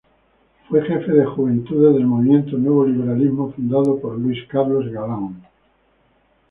Fue jefe de Juventudes del Movimiento Nuevo Liberalismo, fundado por Luis Carlos Galán.